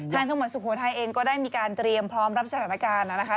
จังหวัดสุโขทัยเองก็ได้มีการเตรียมพร้อมรับสถานการณ์นะคะ